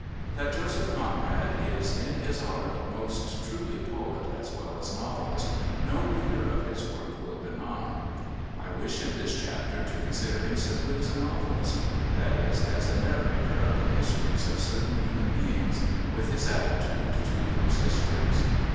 That Joseph Conrad is, in his art, most truly poet as well as novelist no reader of his work will deny. I wish, in this chapter, to consider him simply as a novelist that is, as a narrator of the histories of certain human beings, with his attitude to those histories.